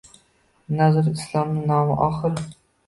Nazrul Islom nomi oxir